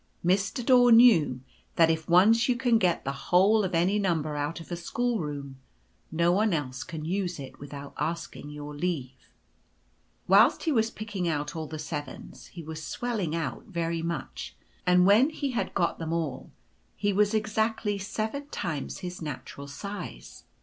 Mr. Daw knew that if once you can get the whole 1 The School assembles. 117 of any number out of a schoolroom no one else can use it without asking your leave. Whilst he was picking out all the Sevens he was swelling out very much ; and when he had got them all he was exactly Seven times his natural size.